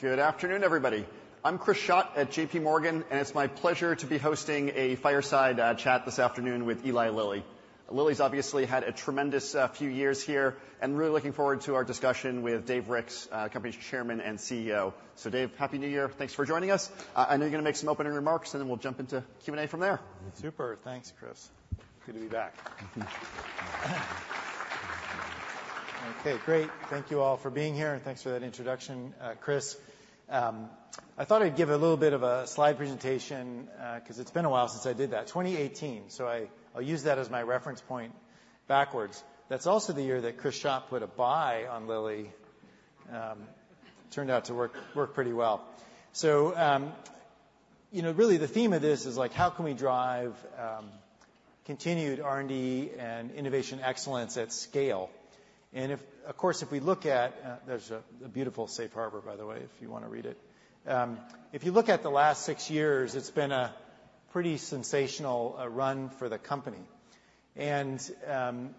Good afternoon, everybody. I'm Chris Schott at JPMorgan, and it's my pleasure to be hosting a fireside chat this afternoon with Eli Lilly. Lilly's obviously had a tremendous few years here, and really looking forward to our discussion with Dave Ricks, company's chairman and CEO. So Dave, Happy New Year. Thanks for joining us. I know you're gonna make some opening remarks, and then we'll jump into Q&A from there. Super. Thanks, Chris. Good to be back. Okay, great. Thank you all for being here, and thanks for that introduction, Chris. I thought I'd give a little bit of a slide presentation, 'cause it's been a while since I did that. 2018, so I'll use that as my reference point backwards. That's also the year that Chris Schott put a buy on Lilly. Turned out to work pretty well. So, you know, really the theme of this is, like, how can we drive continued R&D and innovation excellence at scale? And if, of course, we look at... There's a beautiful safe harbor, by the way, if you want to read it. If you look at the last six years, it's been a pretty sensational run for the company. During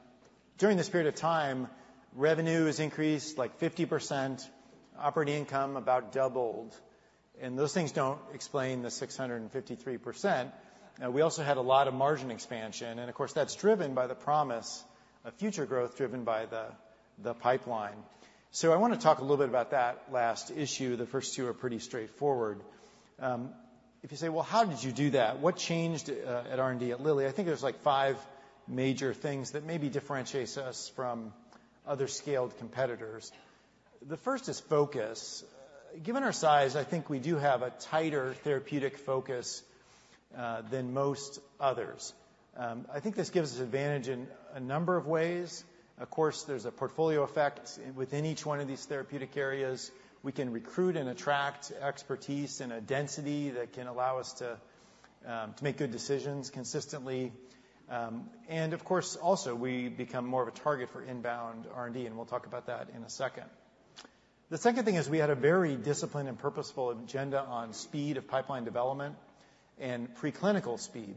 this period of time, revenue has increased, like, 50%, operating income about doubled, and those things don't explain the 653%. We also had a lot of margin expansion, and of course, that's driven by the promise of future growth, driven by the, the pipeline. So I want to talk a little bit about that last issue. The first two are pretty straightforward. If you say, "Well, how did you do that? What changed at R&D at Lilly?" I think there's, like, five major things that maybe differentiates us from other scaled competitors. The first is focus. Given our size, I think we do have a tighter therapeutic focus than most others. I think this gives us advantage in a number of ways. Of course, there's a portfolio effect within each one of these therapeutic areas. We can recruit and attract expertise in a density that can allow us to make good decisions consistently. And of course, also, we become more of a target for inbound R&D, and we'll talk about that in a second. The second thing is we had a very disciplined and purposeful agenda on speed of pipeline development and preclinical speed.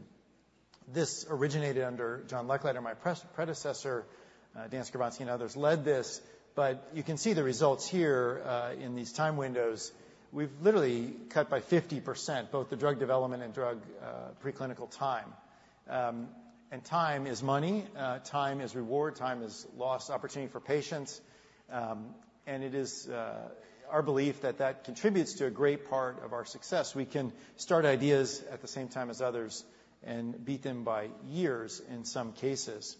This originated under John Lechleiter, my predecessor, Dan Skovronsky and others led this, but you can see the results here in these time windows. We've literally cut by 50% both the drug development and drug preclinical time. And time is money, time is reward, time is lost opportunity for patients, and it is our belief that that contributes to a great part of our success. We can start ideas at the same time as others and beat them by years in some cases.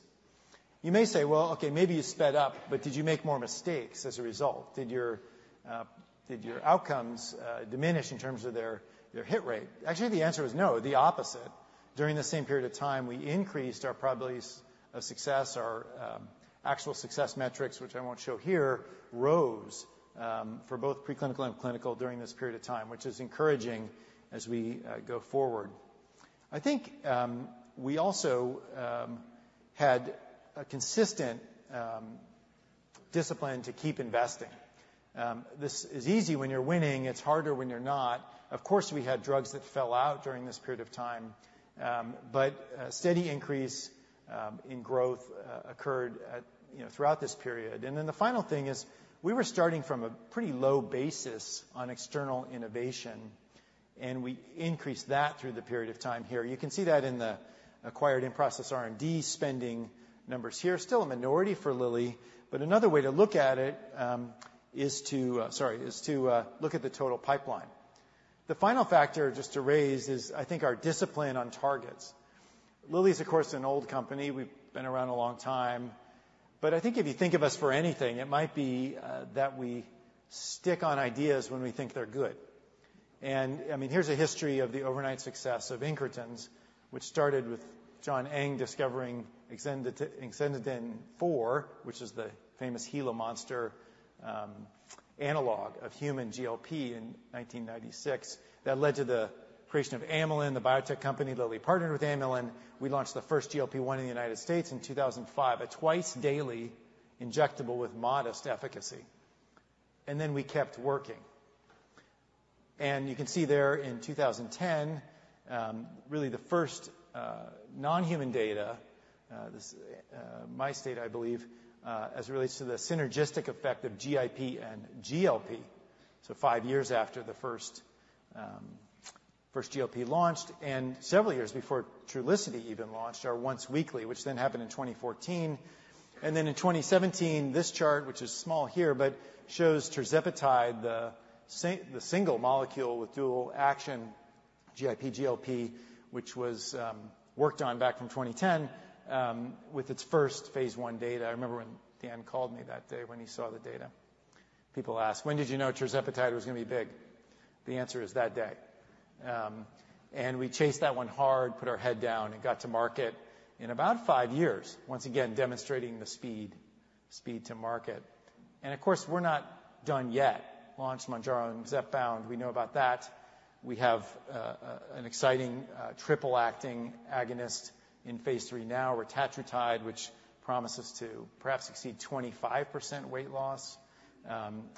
You may say, "Well, okay, maybe you sped up, but did you make more mistakes as a result? Did your outcomes diminish in terms of their hit rate?" Actually, the answer is no, the opposite. During the same period of time, we increased our probabilities of success. Our actual success metrics, which I won't show here, rose for both preclinical and clinical during this period of time, which is encouraging as we go forward. I think we also had a consistent discipline to keep investing. This is easy when you're winning. It's harder when you're not. Of course, we had drugs that fell out during this period of time, but a steady increase in growth occurred at, you know, throughout this period. Then the final thing is we were starting from a pretty low basis on external innovation, and we increased that through the period of time here. You can see that in the acquired in-process R&D spending numbers here. Still a minority for Lilly, but another way to look at it is to look at the total pipeline. The final factor, just to raise, is, I think, our discipline on targets. Lilly is, of course, an old company. We've been around a long time, but I think if you think of us for anything, it might be that we stick on ideas when we think they're good. I mean, here's a history of the overnight success of incretins, which started with John Eng discovering Exendin-4, which is the famous Gila monster analogue of human GLP-1 in 1996. That led to the creation of Amylin, the biotech company. Lilly partnered with Amylin. We launched the first GLP-1 in the United States in 2005, a twice-daily injectable with modest efficacy. And then we kept working. And you can see there in 2010, really the first non-human data, this in vitro, I believe, as it relates to the synergistic effect of GIP and GLP. So five years after the first GLP launched and several years before Trulicity even launched our once-weekly, which then happened in 2014. In 2017, this chart, which is small here, but shows Tirzepatide, the single molecule with dual-action GIP/GLP, which was worked on back from 2010, with its first Phase I data. I remember when Dan called me that day when he saw the data. People ask, "When did you know Tirzepatide was gonna be big?" The answer is that day. And we chased that one hard, put our head down, and got to market in about five years. Once again, demonstrating the speed, speed to market. And of course, we're not done yet. Launched Mounjaro and Zepbound, we know about that. We have an exciting triple-acting agonist in Phase III now, retatrutide, which promises to perhaps exceed 25% weight loss,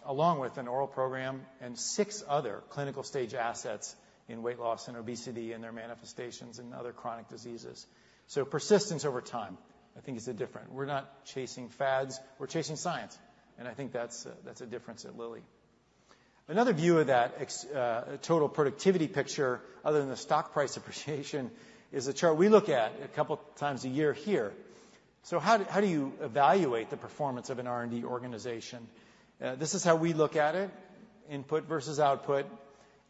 along with an oral program and six other clinical-stage assets in weight loss and obesity, and their manifestations and other chronic diseases. So persistence over time. I think it's a different. We're not chasing fads, we're chasing science, and I think that's a difference at Lilly. Another view of that total productivity picture, other than the stock price appreciation, is a chart we look at a couple times a year here. So how do you evaluate the performance of an R&D organization? This is how we look at it, input versus output.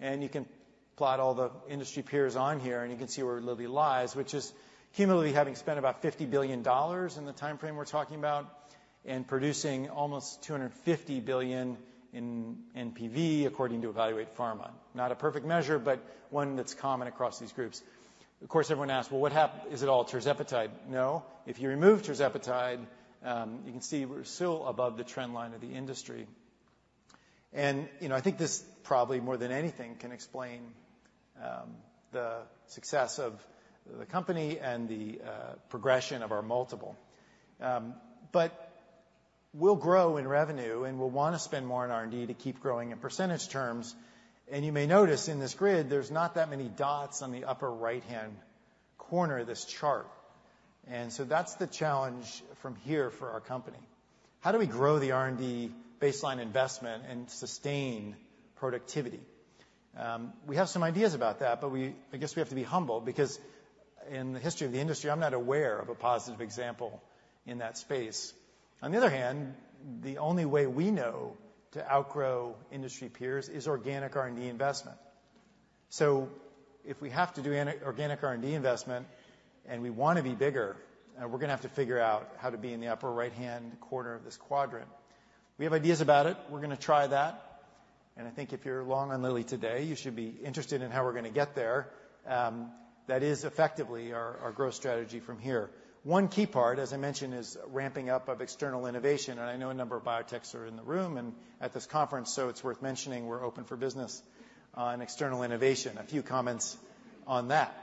You can plot all the industry peers on here, and you can see where Lilly lies, which is cumulatively having spent about $50 billion in the time frame we're talking about, and producing almost $250 billion in NPV, according to Evaluate Pharma. Not a perfect measure, but one that's common across these groups. Of course, everyone asks, "Well, what happened? Is it all Tirzepatide?" No. If you remove Tirzepatide, you can see we're still above the trend line of the industry. And, you know, I think this probably more than anything, can explain the success of the company and the progression of our multiple. But we'll grow in revenue, and we'll want to spend more on R&D to keep growing in percentage terms. You may notice in this grid, there's not that many dots on the upper right-hand corner of this chart. So that's the challenge from here for our company. How do we grow the R&D baseline investment and sustain productivity? We have some ideas about that, but I guess we have to be humble because in the history of the industry, I'm not aware of a positive example in that space. On the other hand, the only way we know to outgrow industry peers is organic R&D investment. So if we have to do an organic R&D investment and we want to be bigger, we're gonna have to figure out how to be in the upper right-hand corner of this quadrant. We have ideas about it. We're gonna try that, and I think if you're long on Lilly today, you should be interested in how we're gonna get there. That is effectively our growth strategy from here. One key part, as I mentioned, is ramping up of external innovation, and I know a number of biotechs are in the room and at this conference, so it's worth mentioning we're open for business on external innovation. A few comments on that.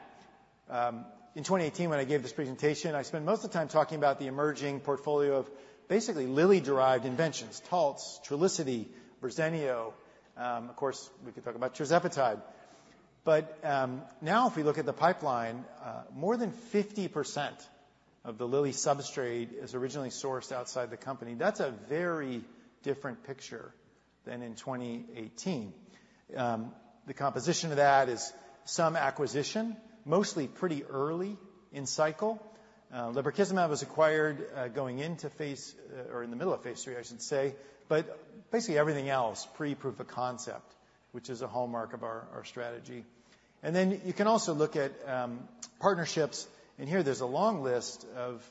In 2018, when I gave this presentation, I spent most of the time talking about the emerging portfolio of basically Lilly-derived inventions, Taltz, Trulicity, Verzenio, of course, we could talk about Tirzepatide. But now, if we look at the pipeline, more than 50% of the Lilly substrate is originally sourced outside the company. That's a very different picture than in 2018. The composition of that is some acquisition, mostly pretty early in cycle. Lebrikizumab was acquired, going into phase, or in the middle of Phase III, I should say. But basically, everything else, pre-proof of concept, which is a hallmark of our strategy. And then you can also look at partnerships, and here there's a long list of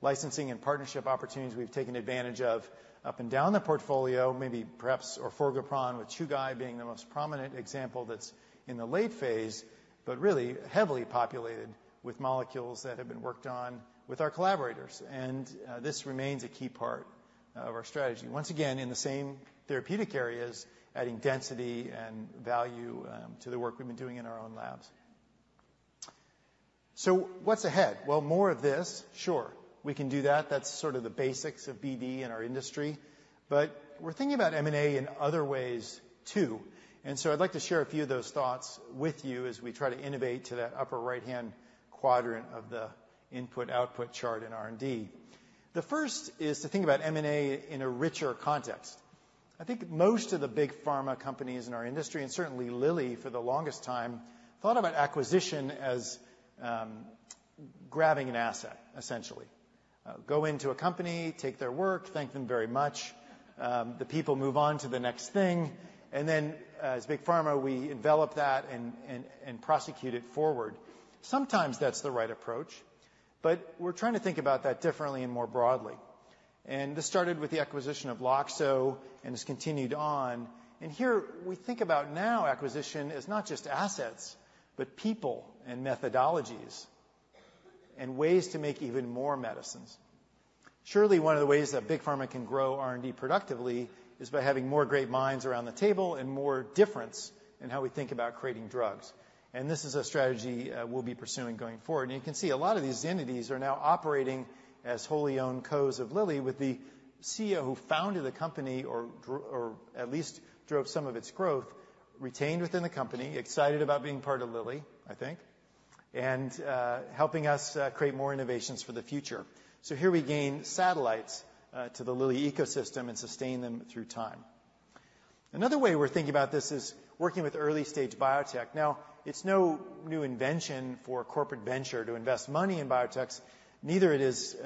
licensing and partnership opportunities we've taken advantage of up and down the portfolio. Maybe, perhaps orforglipron, with Chugai being the most prominent example that's in the late phase, but really heavily populated with molecules that have been worked on with our collaborators. And this remains a key part of our strategy. Once again, in the same therapeutic areas, adding density and value to the work we've been doing in our own labs. So what's ahead? Well, more of this. Sure, we can do that. That's sort of the basics of BD in our industry. But we're thinking about M&A in other ways, too. And so I'd like to share a few of those thoughts with you as we try to innovate to that upper right-hand quadrant of the input-output chart in R&D. The first is to think about M&A in a richer context. I think most of the big pharma companies in our industry, and certainly Lilly for the longest time, thought about acquisition as grabbing an asset, essentially. Go into a company, take their work, thank them very much. The people move on to the next thing, and then, as big pharma, we envelop that and prosecute it forward. Sometimes that's the right approach, but we're trying to think about that differently and more broadly. And this started with the acquisition of Loxo and has continued on. Here, we think about our acquisition as not just assets, but people and methodologies and ways to make even more medicines. Surely, one of the ways that big pharma can grow R&D productively is by having more great minds around the table and more difference in how we think about creating drugs, and this is a strategy we'll be pursuing going forward. And you can see a lot of these entities are now operating as wholly owned companies of Lilly, with the CEO who founded the company, or at least drove some of its growth, retained within the company, excited about being part of Lilly, I think, and helping us create more innovations for the future. So here we gain satellites to the Lilly ecosystem and sustain them through time. Another way we're thinking about this is working with early-stage biotech. Now, it's no new invention for corporate venture to invest money in biotechs. Neither it is,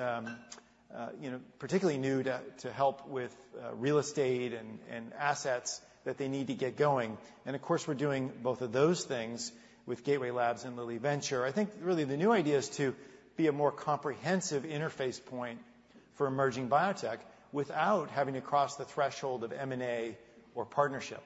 you know, particularly new to help with real estate and assets that they need to get going. And of course, we're doing both of those things with Gateway Labs and Lilly Ventures. I think really the new idea is to be a more comprehensive interface point for emerging biotech without having to cross the threshold of M&A or partnership.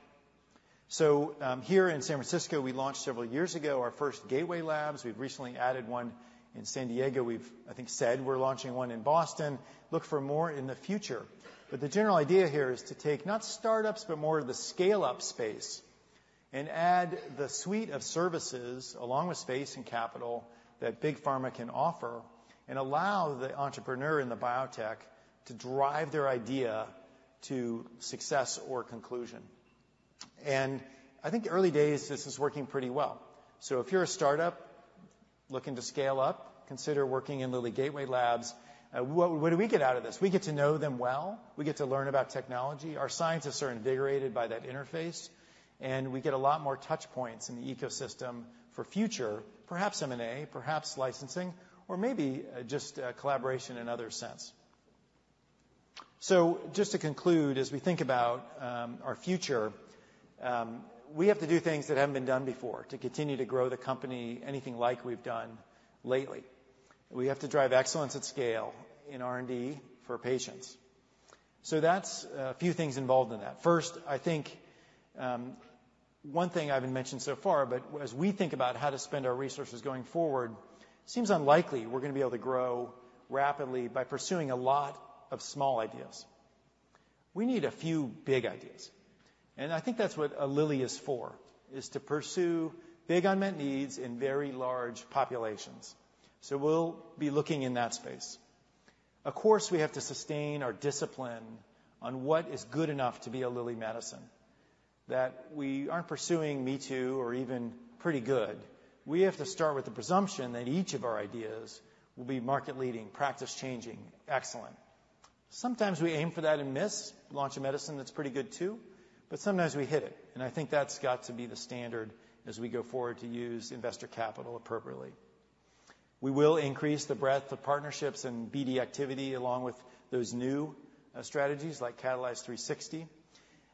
So, here in San Francisco, we launched several years ago our first Gateway Labs. We've recently added one in San Diego. We've, I think, said we're launching one in Boston. Look for more in the future. But the general idea here is to take not startups, but more of the scale-up space and add the suite of services along with space and capital that big pharma can offer and allow the entrepreneur in the biotech to drive their idea to success or conclusion... And I think early days, this is working pretty well. So if you're a startup looking to scale up, consider working in Lilly Gateway Labs. What, what do we get out of this? We get to know them well. We get to learn about technology. Our scientists are invigorated by that interface, and we get a lot more touch points in the ecosystem for future, perhaps M&A, perhaps licensing, or maybe, just, collaboration in other sense. So just to conclude, as we think about our future, we have to do things that haven't been done before to continue to grow the company, anything like we've done lately. We have to drive excellence at scale in R&D for patients. So that's a few things involved in that. First, I think one thing I haven't mentioned so far, but as we think about how to spend our resources going forward, seems unlikely we're gonna be able to grow rapidly by pursuing a lot of small ideas. We need a few big ideas, and I think that's what Lilly is for, is to pursue big unmet needs in very large populations. So we'll be looking in that space. Of course, we have to sustain our discipline on what is good enough to be a Lilly medicine. That we aren't pursuing me-too, or even pretty good. We have to start with the presumption that each of our ideas will be market leading, practice changing, excellent. Sometimes we aim for that and miss, launch a medicine that's pretty good, too, but sometimes we hit it, and I think that's got to be the standard as we go forward to use investor capital appropriately. We will increase the breadth of partnerships and BD activity, along with those new strategies like Catalyze360.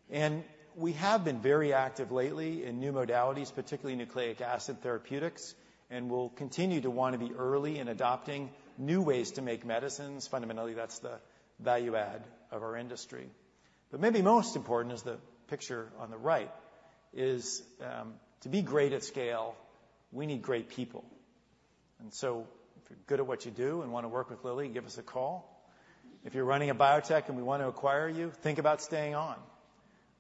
And we have been very active lately in new modalities, particularly nucleic acid therapeutics, and we'll continue to want to be early in adopting new ways to make medicines. Fundamentally, that's the value add of our industry. But maybe most important is the picture on the right, to be great at scale, we need great people. And so if you're good at what you do and wanna work with Lilly, give us a call. If you're running a biotech and we want to acquire you, think about staying on.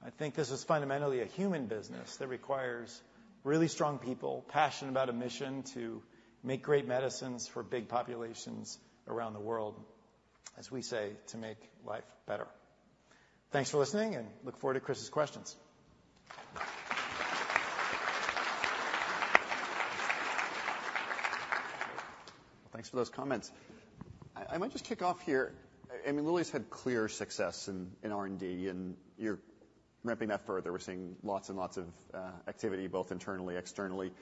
I think this is fundamentally a human business that requires really strong people, passionate about a mission to make great medicines for big populations around the world, as we say, to make life better. Thanks for listening, and look forward to Chris's questions. Thanks for those comments. I might just kick off here. I mean, Lilly's had clear success in R&D, and you're ramping that further. We're seeing lots and lots of activity, both internally, externally.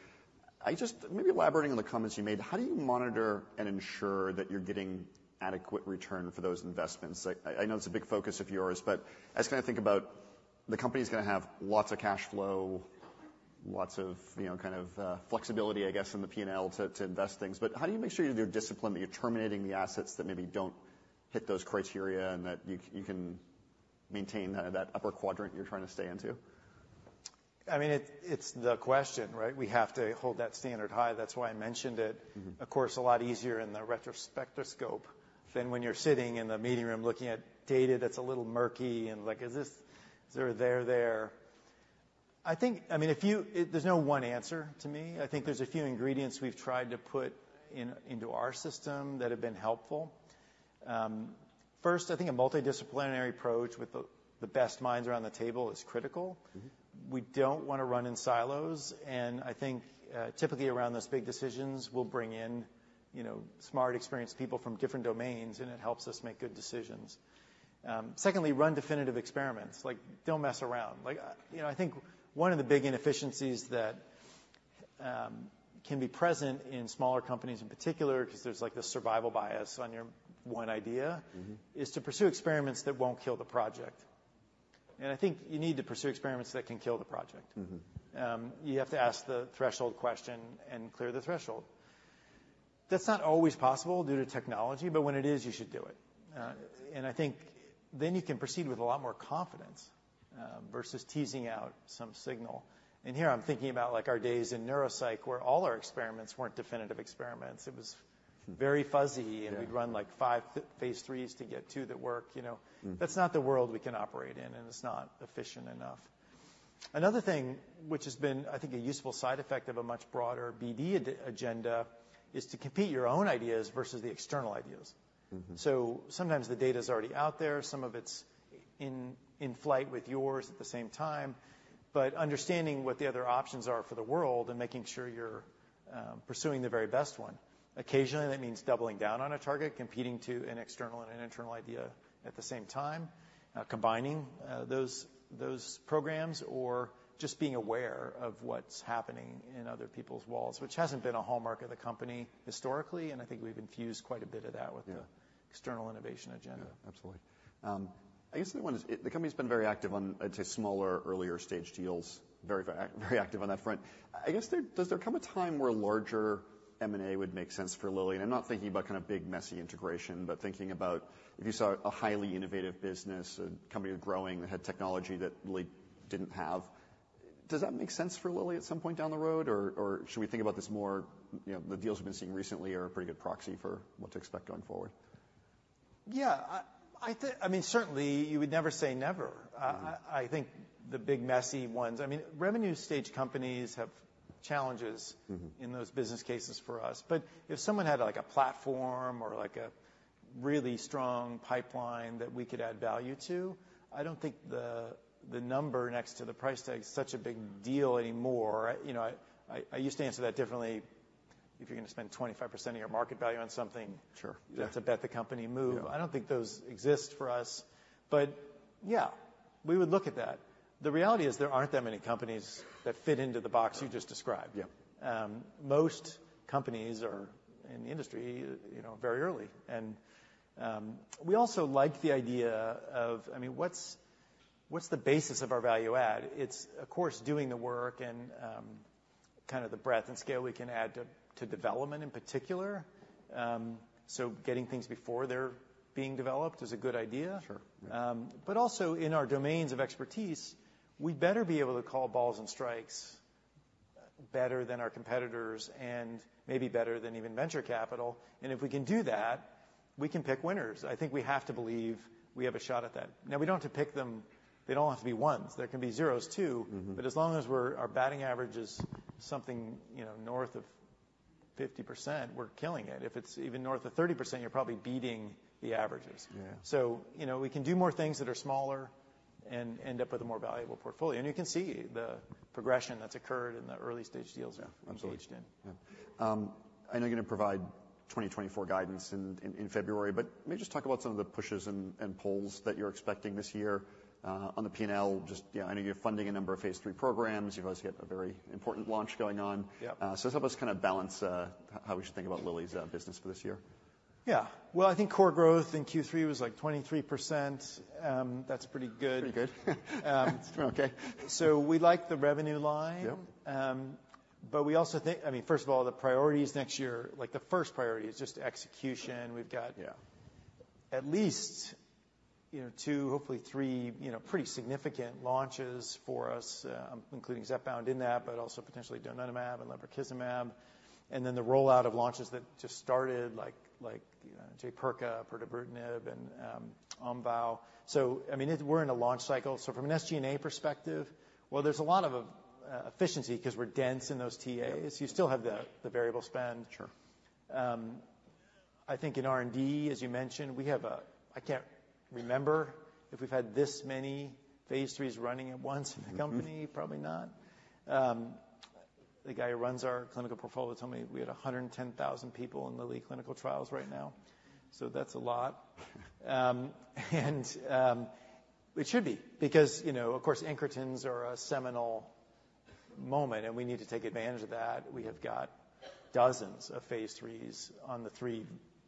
I just maybe elaborating on the comments you made, how do you monitor and ensure that you're getting adequate return for those investments? I know it's a big focus of yours, but I was gonna think about the company's gonna have lots of cash flow, lots of, you know, kind of flexibility, I guess, in the P&L to invest things. But how do you make sure you're disciplined, that you're terminating the assets that maybe don't hit those criteria, and that you can maintain that upper quadrant you're trying to stay into? I mean, it's the question, right? We have to hold that standard high. That's why I mentioned it. Mm-hmm. Of course, a lot easier in the retrospectoscope than when you're sitting in the meeting room looking at data that's a little murky and, like, is this... Is it there, there? I think... I mean, if you—there's no one answer to me. I think there's a few ingredients we've tried to put in, into our system that have been helpful. First, I think a multidisciplinary approach with the, the best minds around the table is critical. Mm-hmm. We don't wanna run in silos, and I think, typically, around those big decisions, we'll bring in, you know, smart, experienced people from different domains, and it helps us make good decisions. Secondly, run definitive experiments, like, don't mess around. Like, you know, I think one of the big inefficiencies that can be present in smaller companies in particular, 'cause there's, like, this survival bias on your one idea- Mm-hmm... is to pursue experiments that won't kill the project. I think you need to pursue experiments that can kill the project. Mm-hmm. You have to ask the threshold question and clear the threshold. That's not always possible due to technology, but when it is, you should do it. And I think then you can proceed with a lot more confidence, versus teasing out some signal. And here, I'm thinking about, like, our days in neuropsych, where all our experiments weren't definitive experiments. It was very fuzzy- Yeah... and we'd run, like, five Phase IIIs to get two that work, you know? Mm-hmm. That's not the world we can operate in, and it's not efficient enough. Another thing which has been, I think, a useful side effect of a much broader BD agenda, is to compete your own ideas versus the external ideas. Mm-hmm. So sometimes the data's already out there, some of it's in flight with yours at the same time, but understanding what the other options are for the world and making sure you're pursuing the very best one. Occasionally, that means doubling down on a target, competing to an external and an internal idea at the same time, combining those programs or just being aware of what's happening in other people's walls, which hasn't been a hallmark of the company historically, and I think we've infused quite a bit of that- Yeah... with the external innovation agenda. Yeah, absolutely. I guess the one is... The company's been very active on, I'd say, smaller, earlier stage deals. Very, very active on that front. I guess there... Does there come a time where larger M&A would make sense for Lilly? And I'm not thinking about kind of big, messy integration, but thinking about if you saw a highly innovative business, a company growing that had technology that Lilly didn't have. Does that make sense for Lilly at some point down the road, or should we think about this more, you know, the deals we've been seeing recently are a pretty good proxy for what to expect going forward? Yeah. I think... I mean, certainly, you would never say never. Mm-hmm. I think the big, messy ones... I mean, revenue stage companies have challenges- Mm-hmm... in those business cases for us, but if someone had, like, a platform or like a really strong pipeline that we could add value to, I don't think the number next to the price tag is such a big deal anymore. You know, I used to answer that differently. If you're gonna spend 25% of your market value on something- Sure, yeah. That's a bet-the-company move. Yeah. I don't think those exist for us. But yeah, we would look at that. The reality is there aren't that many companies that fit into the box you just described. Yeah. Most companies are in the industry, you know, very early. And we also like the idea of, I mean, what's the basis of our value add? It's, of course, doing the work and kind of the breadth and scale we can add to development in particular. So getting things before they're being developed is a good idea. Sure. But also in our domains of expertise, we better be able to call balls and strikes better than our competitors and maybe better than even venture capital. And if we can do that, we can pick winners. I think we have to believe we have a shot at that. Now, we don't have to pick them... They don't have to be ones. There can be zeros, too. Mm-hmm. But as long as we're, our batting average is something, you know, north of 50%, we're killing it. If it's even north of 30%, you're probably beating the averages. Yeah. You know, we can do more things that are smaller and end up with a more valuable portfolio. You can see the progression that's occurred in the early-stage deals we're engaged in. Yeah, absolutely. Yeah. I know you're gonna provide 2024 guidance in February, but maybe just talk about some of the pushes and pulls that you're expecting this year on the P&L. Just, you know, I know you're funding a number of Phase III programs. You've always got a very important launch going on. Yep. So help us kind of balance how we should think about Lilly's business for this year. Yeah. Well, I think core growth in Q3 was, like, 23%. That's pretty good. Pretty good. Um. Okay. We like the revenue line. Yep. But we also think, I mean, first of all, the priorities next year, like, the first priority is just execution. We've got- Yeah... at least, you know, 2, hopefully 3, you know, pretty significant launches for us, including Zepbound in that, but also potentially donanemab and lebrikizumab, and then the rollout of launches that just started, like, you know, Jaypirca, pirtobrutinib, and Omvoh. So, I mean, it-- we're in a launch cycle, so from an SG&A perspective, well, there's a lot of efficiency 'cause we're dense in those TAs. Yeah. You still have the variable spend. Sure. I think in R&D, as you mentioned, we have. I can't remember if we've had this many Phase IIIs running at once in the company. Mm-hmm. Probably not. The guy who runs our clinical portfolio told me we had 110,000 people in Lilly clinical trials right now, so that's a lot. It should be because, you know, of course, incretins are a seminal moment, and we need to take advantage of that. We have got dozens of Phase IIIs on the three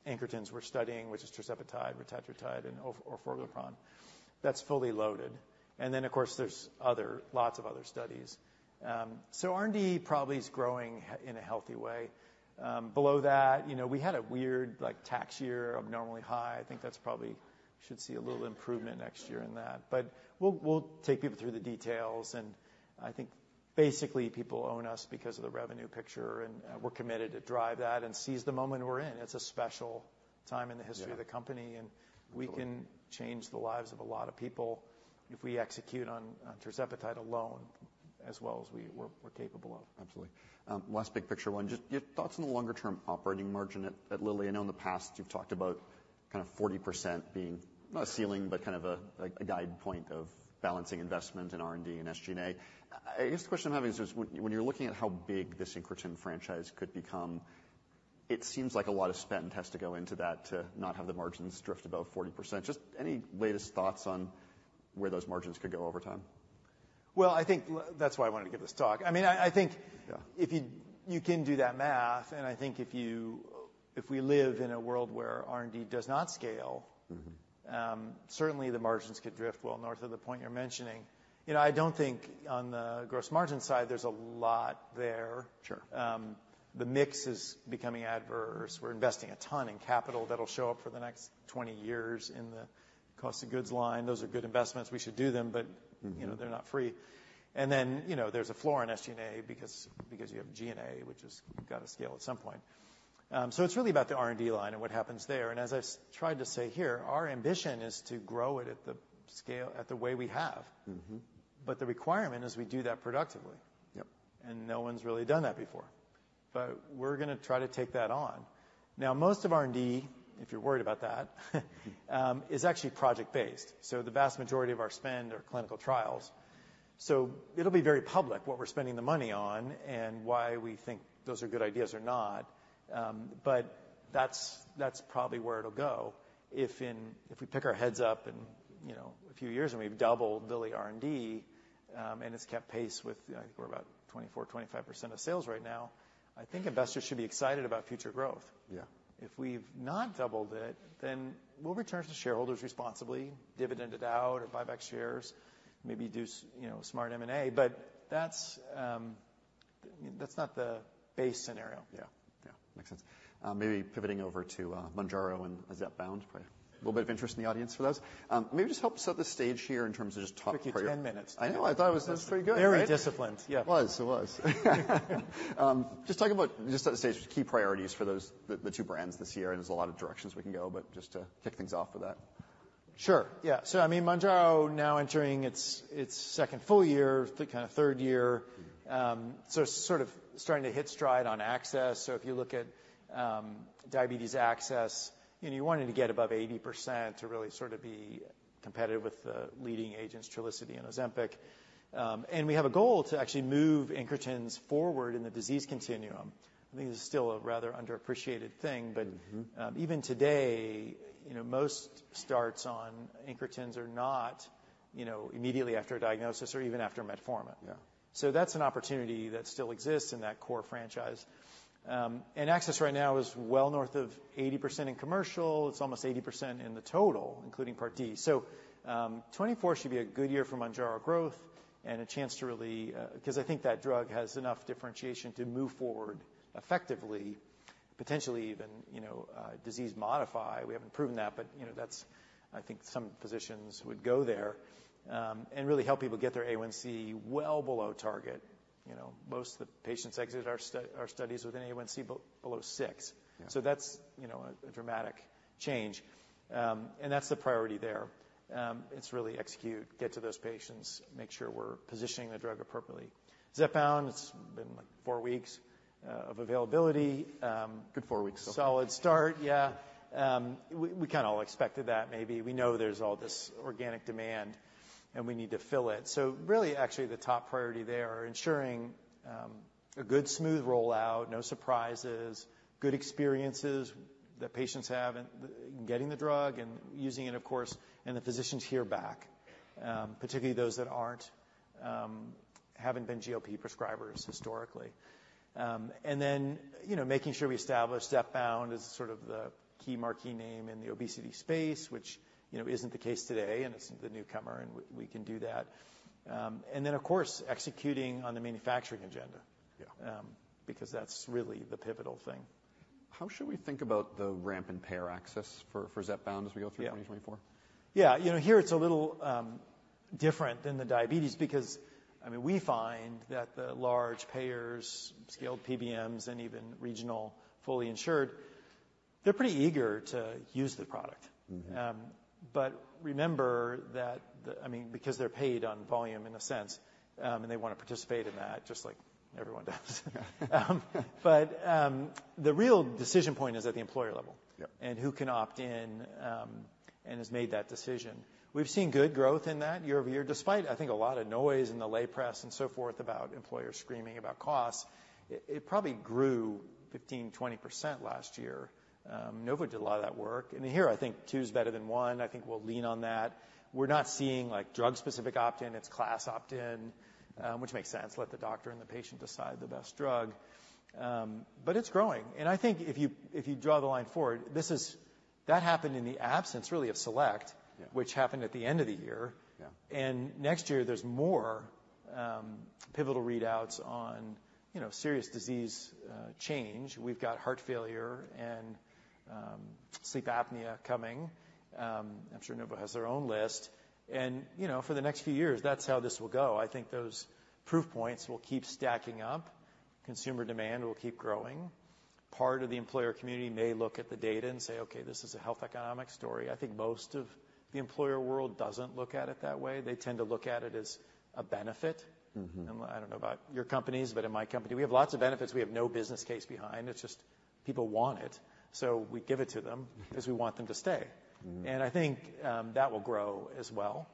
incretins we're studying, which is Tirzepatide, retatrutide, and Orforglipron. That's fully loaded. And then, of course, there's other, lots of other studies. So R&D probably is growing in a healthy way. Below that, you know, we had a weird, like, tax year, abnormally high. I think that's probably, should see a little improvement next year in that. But we'll, we'll take people through the details, and I think basically, people own us because of the revenue picture, and, we're committed to drive that and seize the moment we're in. It's a special time in the history- Yeah... of the company, and we can change the lives of a lot of people if we execute on Tirzepatide alone, as well as we're capable of. Absolutely. Last big picture one. Just your thoughts on the longer-term operating margin at Eli Lilly and company. I know in the past you've talked about kind of 40% being not a ceiling, but kind of a guide point of balancing investment in R&D and SG&A. I guess the question I'm having is when you're looking at how big this incretin franchise could become, it seems like a lot of spend has to go into that to not have the margins drift above 40%. Just any latest thoughts on where those margins could go over time? Well, I think that's why I wanted to give this talk. I mean, I, I think- Yeah... if you can do that math, and I think if we live in a world where R&D does not scale- Mm-hmm... certainly the margins could drift well north of the point you're mentioning. You know, I don't think on the gross margin side, there's a lot there. Sure. The mix is becoming adverse. We're investing a ton in capital that'll show up for the next 20 years in the cost of goods line. Those are good investments. We should do them, but- Mm-hmm... you know, they're not free. And then, you know, there's a floor on SG&A because, because you have G&A, which has got to scale at some point. So it's really about the R&D line and what happens there. And as I tried to say here, our ambition is to grow it at the scale, at the way we have. Mm-hmm. But the requirement is we do that productively. Yep. And no one's really done that before, but we're gonna try to take that on. Now, most of R&D, if you're worried about that, is actually project-based, so the vast majority of our spend are clinical trials. So it'll be very public, what we're spending the money on and why we think those are good ideas or not. But that's probably where it'll go. If we pick our heads up and, you know, a few years and we've doubled Lilly R&D, and it's kept pace with, I think we're about 24%–25% of sales right now, I think investors should be excited about future growth. Yeah. If we've not doubled it, then we'll return to shareholders responsibly, dividend it out or buy back shares, maybe do, you know, smart M&A, but that's, that's not the base scenario. Yeah. Yeah, makes sense. Maybe pivoting over to Mounjaro and Zepbound. Probably a little bit of interest in the audience for those. Maybe just help set the stage here in terms of just top- Took you 10 minutes. I know. I thought it was pretty good. Very disciplined, yeah. It was. It was. Just talk about, just set the stage, key priorities for those, the, the two brands this year, and there's a lot of directions we can go, but just to kick things off with that.... Sure. Yeah. So I mean, Mounjaro now entering its second full year, the kind of third year, so sort of starting to hit stride on access. So if you look at diabetes access, you know, you wanted to get above 80% to really sort of be competitive with the leading agents, Trulicity and Ozempic. And we have a goal to actually move incretins forward in the disease continuum. I think this is still a rather underappreciated thing, but- Mm-hmm. Even today, you know, most starts on incretins are not, you know, immediately after a diagnosis or even after metformin. Yeah. So that's an opportunity that still exists in that core franchise. And access right now is well north of 80% in commercial. It's almost 80% in the total, including Part D. So, 2024 should be a good year for Mounjaro growth and a chance to really... Because I think that drug has enough differentiation to move forward effectively, potentially even, you know, disease-modify. We haven't proven that, but, you know, that's... I think some physicians would go there, and really help people get their A1C well below target. You know, most of the patients exit our studies with an A1C below 6. Yeah. So that's, you know, a dramatic change. And that's the priority there. It's really execute, get to those patients, make sure we're positioning the drug appropriately. Zepbound; it's been, like, four weeks of availability. Good four weeks. Solid start. Yeah. We kind of all expected that maybe. We know there's all this organic demand, and we need to fill it. So really actually the top priority there are ensuring a good, smooth rollout, no surprises, good experiences that patients have in getting the drug and using it, of course, and the physicians hear back, particularly those that aren't, haven't been GLP prescribers historically. And then, you know, making sure we establish Zepbound as sort of the key marquee name in the obesity space, which, you know, isn't the case today, and it's the newcomer, and we can do that. And then, of course, executing on the manufacturing agenda. Yeah. because that's really the pivotal thing. How should we think about the ramp and payer access for Zepbound as we go through 2024? Yeah. You know, here it's a little, different than the diabetes because, I mean, we find that the large payers, scaled PBMs, and even regional, fully insured, they're pretty eager to use the product. Mm-hmm. But remember that the... I mean, because they're paid on volume in a sense, and they want to participate in that, just like everyone does. Yeah. The real decision point is at the employer level- Yeah... and who can opt in, and has made that decision. We've seen good growth in that year-over-year, despite, I think, a lot of noise in the lay press and so forth about employers screaming about costs. It, it probably grew 15%–20% last year. Novo did a lot of that work, and here, I think two is better than one. I think we'll lean on that. We're not seeing, like, drug-specific opt-in. It's class opt-in, which makes sense. Let the doctor and the patient decide the best drug. But it's growing, and I think if you, if you draw the line forward, this is-- that happened in the absence really, of SELECT- Yeah... which happened at the end of the year. Yeah. Next year, there's more, pivotal readouts on, you know, serious disease change. We've got heart failure and, sleep apnea coming. I'm sure Novo has their own list, and, you know, for the next few years, that's how this will go. I think those proof points will keep stacking up. Consumer demand will keep growing. Part of the employer community may look at the data and say, "Okay, this is a health economic story." I think most of the employer world doesn't look at it that way. They tend to look at it as a benefit. Mm-hmm. I don't know about your companies, but in my company, we have lots of benefits. We have no business case behind. It's just people want it, so we give it to them- Mm-hmm Because we want them to stay. Mm-hmm. I think that will grow as well.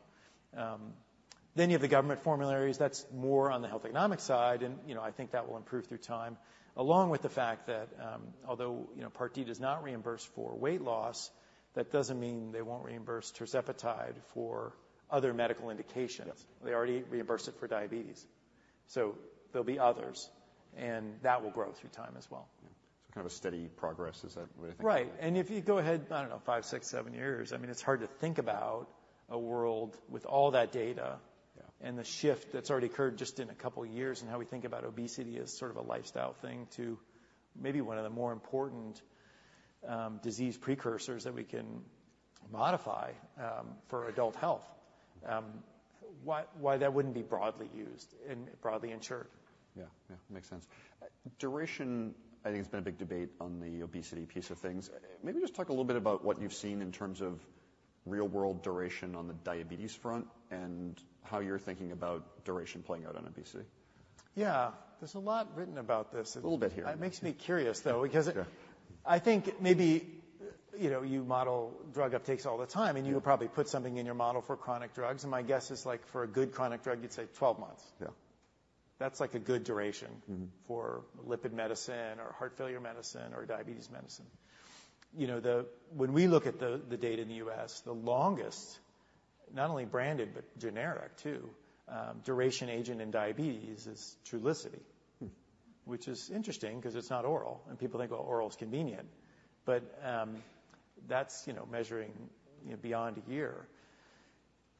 You have the government formularies. That's more on the health economic side and, you know, I think that will improve through time, along with the fact that, although, you know, Part D does not reimburse for weight loss, that doesn't mean they won't reimburse Tirzepatide for other medical indications. Yeah. They already reimburse it for diabetes, so there'll be others, and that will grow through time as well. So kind of a steady progress. Is that what I think- Right. And if you go ahead, I don't know, five, six, seven years, I mean, it's hard to think about a world with all that data... Yeah... and the shift that's already occurred just in a couple of years, and how we think about obesity as sort of a lifestyle thing to maybe one of the more important, disease precursors that we can modify, for adult health. Why, why that wouldn't be broadly used and broadly insured? Yeah. Yeah, makes sense. Duration, I think, has been a big debate on the obesity piece of things. Maybe just talk a little bit about what you've seen in terms of real-world duration on the diabetes front and how you're thinking about duration playing out on obesity. Yeah, there's a lot written about this. A little bit here. It makes me curious, though, because- Sure... I think maybe, you know, you model drug uptakes all the time- Yeah... and you would probably put something in your model for chronic drugs, and my guess is, like, for a good chronic drug, you'd say 12 months. Yeah. That's, like, a good duration- Mm-hmm... for lipid medicine or heart failure medicine or diabetes medicine. You know, when we look at the data in the U.S., the longest, not only branded but generic too, duration agent in diabetes is Trulicity. Mm. Which is interesting because it's not oral, and people think, well, oral is convenient. But, that's, you know, measuring, you know, beyond a year.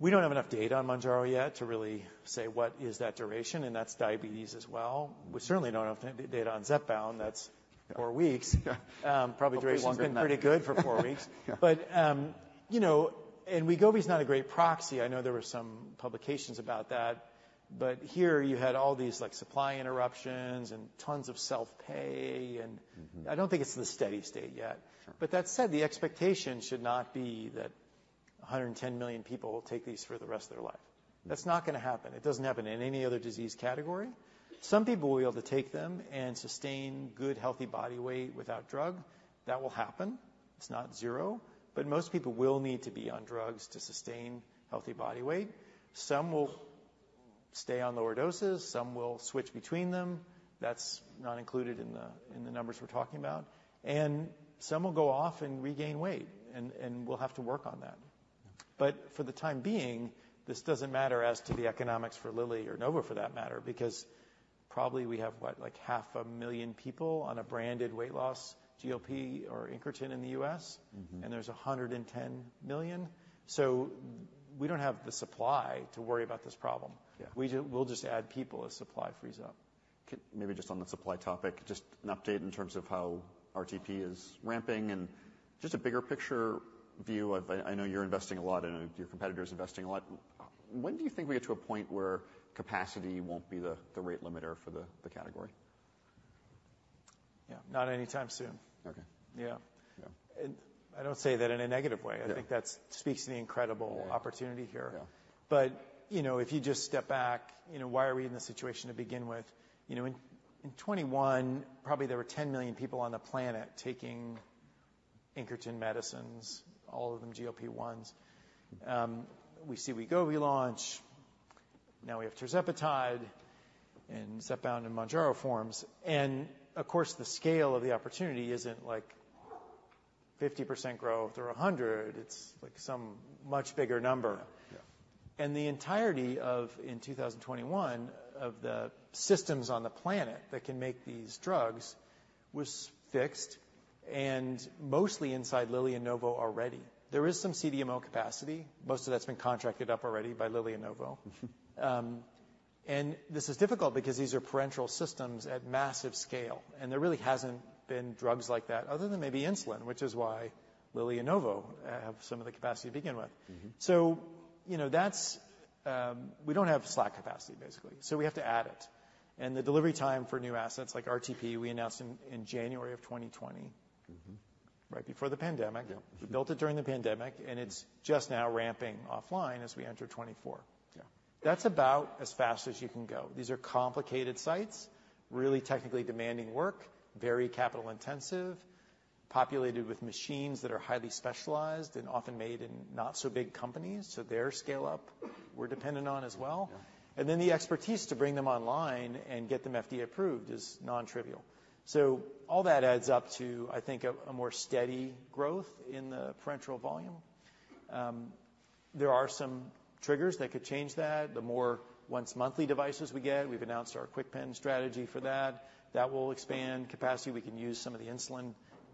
We don't have enough data on Mounjaro yet to really say what is that duration, and that's diabetes as well. We certainly don't have data on Zepbound. That's four weeks. Yeah. Probably duration's been pretty good for four weeks. Yeah. But, you know, and Wegovy is not a great proxy. I know there were some publications about that, but here you had all these, like, supply interruptions and tons of self-pay, and- Mm-hmm... I don't think it's the steady state yet. Sure. But that said, the expectation should not be that 110 million people will take these for the rest of their life. That's not gonna happen. It doesn't happen in any other disease category. Some people will be able to take them and sustain good, healthy body weight without drug. That will happen. It's not zero, but most people will need to be on drugs to sustain healthy body weight. Some will stay on lower doses, some will switch between them. That's not included in the, in the numbers we're talking about. And some will go off and regain weight, and, and we'll have to work on that. But for the time being, this doesn't matter as to the economics for Lilly or Novo, for that matter, because probably we have, what? Like, 500,000 people on a branded weight loss, GLP or incretin in the U.S.- Mm-hmm. There's 110 million. So we don't have the supply to worry about this problem. Yeah. We'll just add people as supply frees up. Maybe just on the supply topic, just an update in terms of how RTP is ramping and just a bigger picture view of... I know you're investing a lot, and your competitor's investing a lot. When do you think we get to a point where capacity won't be the rate limiter for the category? Yeah. Not anytime soon. Okay. Yeah. Yeah. I don't say that in a negative way. Yeah. I think that speaks to the incredible- Yeah -opportunity here. Yeah. But, you know, if you just step back, you know, why are we in this situation to begin with? You know, in 2021, probably there were 10 million people on the planet taking incretin medicines, all of them GLP-1s. We see Wegovy launch, now we have Tirzepatide and Zepbound and Mounjaro forms. And, of course, the scale of the opportunity isn't like 50% growth or 100. It's like some much bigger number. Yeah. The entirety of, in 2021, of the systems on the planet that can make these drugs was fixed and mostly inside Lilly and Novo Nordisk already. There is some CDMO capacity. Most of that's been contracted up already by Lilly and Novo. Mm-hmm. This is difficult because these are parenteral systems at massive scale, and there really hasn't been drugs like that other than maybe insulin, which is why Lilly and Novo have some of the capacity to begin with. Mm-hmm. So, you know, that's... We don't have slack capacity, basically, so we have to add it. And the delivery time for new assets, like RTP, we announced in January of 2020- Mm-hmm. right before the pandemic. Yeah. We built it during the pandemic, and it's just now ramping offline as we enter 2024. Yeah. That's about as fast as you can go. These are complicated sites, really technically demanding work, very capital intensive, populated with machines that are highly specialized and often made in not-so-big companies, so their scale-up, we're dependent on as well. Yeah. Then the expertise to bring them online and get them FDA approved is non-trivial. So all that adds up to, I think, a more steady growth in the parenteral volume. There are some triggers that could change that. The more once-monthly devices we get, we've announced our KwikPen strategy for that. That will expand capacity. We can use some of the insulin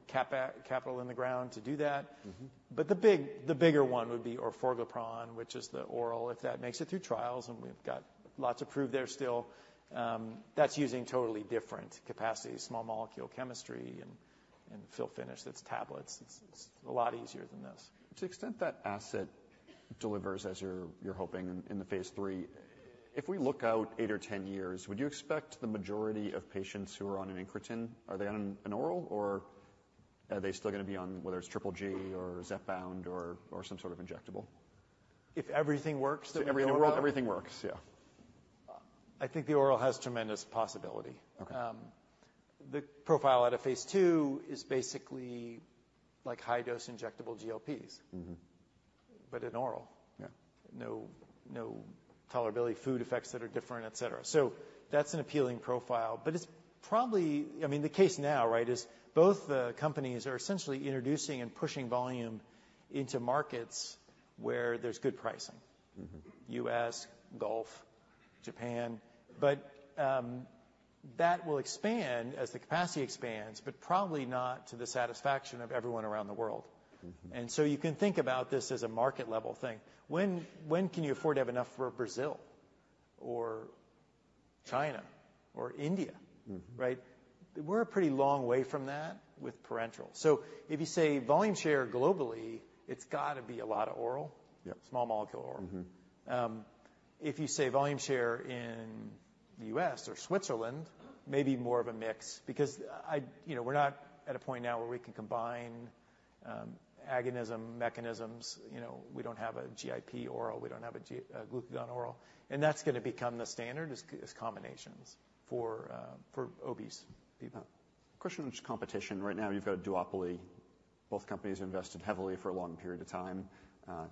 capital on the ground to do that. Mm-hmm. But the big... the bigger one would be Orforglipron, which is the oral, if that makes it through trials, and we've got lots to prove there still. That's using totally different capacity, small molecule chemistry and fill finish. That's tablets. It's a lot easier than this. To the extent that asset delivers, as you're hoping in the Phase III, if we look out 8 or 10 years, would you expect the majority of patients who are on an incretin, are they on an oral, or are they still gonna be on, whether it's GGG or Zepbound or some sort of injectable? If everything works the way we want? If everything works, yeah. I think the oral has tremendous possibility. Okay. The profile out of Phase II is basically like high-dose injectable GLPs- Mm-hmm But in oral. Yeah. No, no tolerability, food effects that are different, et cetera. So that's an appealing profile, but it's probably... I mean, the case now, right, is both the companies are essentially introducing and pushing volume into markets where there's good pricing. Mm-hmm. U.S., Gulf, Japan. But, that will expand as the capacity expands, but probably not to the satisfaction of everyone around the world. Mm-hmm. You can think about this as a market-level thing. When, when can you afford to have enough for Brazil or China or India? Mm-hmm. Right? We're a pretty long way from that with parenteral. So if you say volume share globally, it's gotta be a lot of oral. Yep. Small molecule oral. Mm-hmm. If you say volume share in the U.S. or Switzerland, maybe more of a mix because I... You know, we're not at a point now where we can combine agonism mechanisms. You know, we don't have a GIP oral agonist, we don't have a glucagon oral, and that's gonna become the standard is combinations for obese people. Question on competition. Right now, you've got a duopoly. Both companies invested heavily for a long period of time.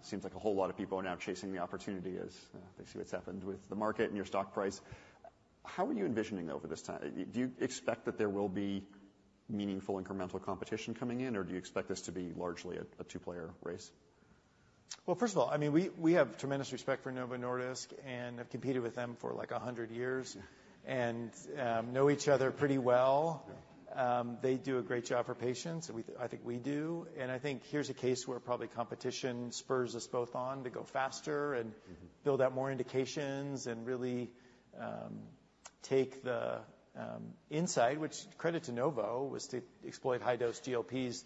Seems like a whole lot of people are now chasing the opportunity as they see what's happened with the market and your stock price. How are you envisioning over this time? Do you expect that there will be meaningful incremental competition coming in, or do you expect this to be largely a two-player race? Well, first of all, I mean, we have tremendous respect for Novo Nordisk and have competed with them for, like, 100 years and know each other pretty well. Yeah. They do a great job for patients, and we, I think we do. I think here's a case where probably competition spurs us both on to go faster and- Mm-hmm... build out more indications and really, take the, insight, which credit to Novo, was to exploit high-dose GLPs,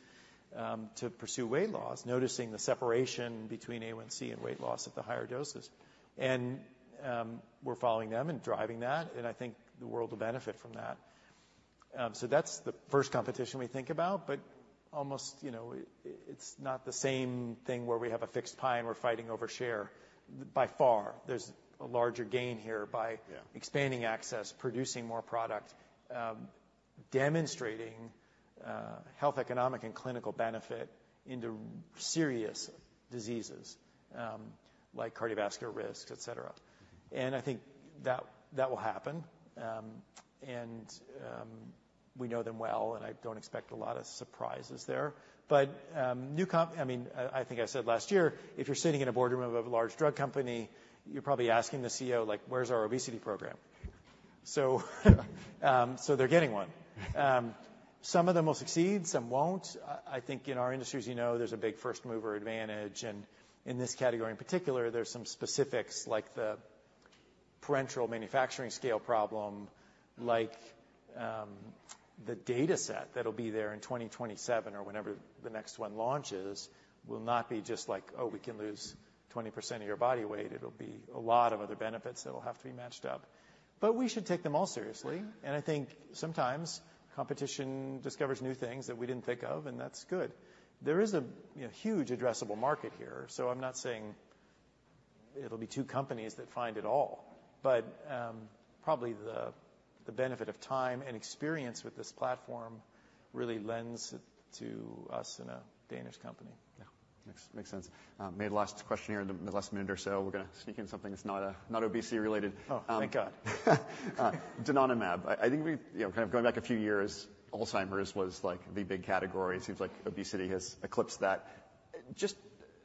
to pursue weight loss, noticing the separation between A1C and weight loss at the higher doses. And, we're following them and driving that, and I think the world will benefit from that.... So that's the first competition we think about, but almost, you know, it, it's not the same thing where we have a fixed pie, and we're fighting over share. By far, there's a larger gain here by- Yeah. -expanding access, producing more product, demonstrating health, economic, and clinical benefits into serious diseases, like cardiovascular risks, et cetera. And I think that will happen. And we know them well, and I don't expect a lot of surprises there. But new—I mean, I think I said last year, if you're sitting in a boardroom of a large drug company, you're probably asking the CEO, like, "Where's our obesity program?" So, so they're getting one. Some of them will succeed, some won't. I think in our industries, you know, there's a big first mover advantage, and in this category, in particular, there's some specifics, like the parenteral manufacturing scale problem. Like, the data set that'll be there in 2027 or whenever the next one launches, will not be just like, "Oh, we can lose 20% of your body weight." It'll be a lot of other benefits that will have to be matched up. But we should take them all seriously, and I think sometimes competition discovers new things that we didn't think of, and that's good. There is a, you know, huge addressable market here, so I'm not saying it'll be two companies that find it all. But, probably the benefit of time and experience with this platform really lends it to us and a Danish company. Yeah. Makes sense. Maybe last question here in the last minute or so. We're gonna sneak in something that's not obesity related. Oh, thank God. Donanemab. I think we... You know, kind of going back a few years, Alzheimer's was, like, the big category. It seems like obesity has eclipsed that. Just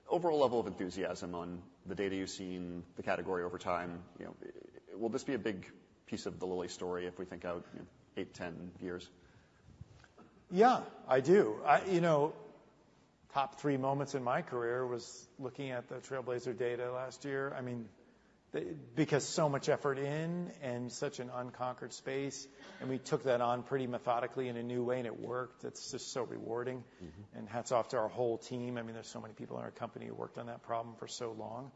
overall level of enthusiasm on the data you've seen, the category over time, you know, will this be a big piece of the Lilly story if we think out 8, 10 years? Yeah, I do. You know, top three moments in my career was looking at the TRAILBLAZER data last year. I mean, the—because so much effort in and such an unconquered space, and we took that on pretty methodically in a new way, and it worked. It's just so rewarding. Mm-hmm. Hats off to our whole team. I mean, there's so many people in our company who worked on that problem for so long,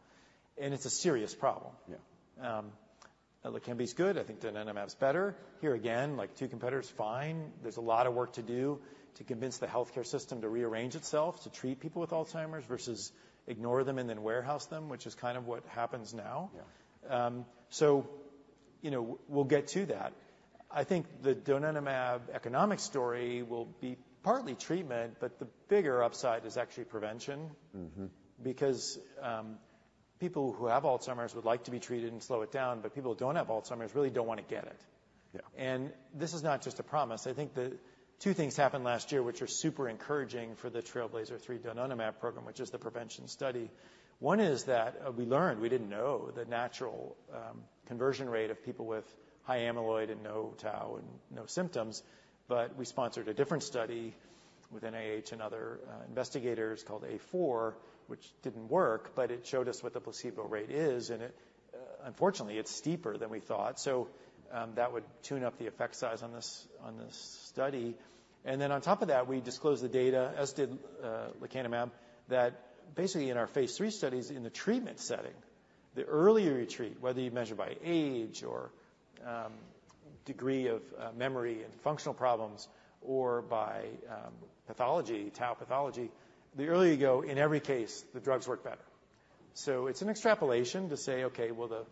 and it's a serious problem. Yeah. Lecanemab is good. I think Donanemab is better. Here, again, like two competitors, fine. There's a lot of work to do to convince the healthcare system to rearrange itself to treat people with Alzheimer's versus ignore them and then warehouse them, which is kind of what happens now. Yeah. You know, we'll get to that. I think the Donanemab economic story will be partly treatment, but the bigger upside is actually prevention. Mm-hmm. Because, people who have Alzheimer's would like to be treated and slow it down, but people who don't have Alzheimer's really don't want to get it. Yeah. This is not just a promise. I think the two things happened last year, which are super encouraging for the TRAILBLAZER-3 Donanemab program, which is the prevention study. One is that we learned; we didn't know the natural conversion rate of people with high amyloid and no tau and no symptoms. But we sponsored a different study with NIH and other investigators called A4, which didn't work, but it showed us what the placebo rate is, and it, unfortunately, it's steeper than we thought. So that would tune up the effect size on this, on this study. And then on top of that, we disclosed the data, as did lecanemab, that basically in our Phase III studies in the treatment setting, the earlier you treat, whether you measure by age or degree of memory and functional problems, or by pathology, tau pathology, the earlier you go, in every case, the drugs work better. So it's an extrapolation to say, "Okay, well, the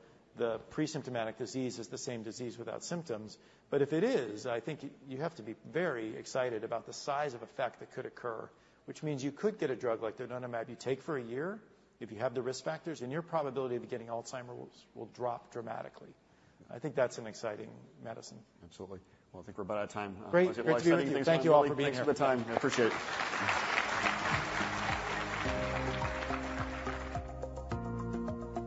pre-symptomatic disease is the same disease without symptoms." But if it is, I think you have to be very excited about the size of effect that could occur, which means you could get a drug like Donanemab you take for a year if you have the risk factors, and your probability of getting Alzheimer's will drop dramatically. I think that's an exciting medicine. Absolutely. Well, I think we're about out of time. Great. Thank you all for being here. Thanks for the time. I appreciate it.